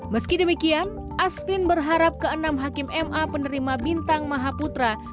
meski demikian asfinawati berharap keenam hakim ma penerima bintang maha putra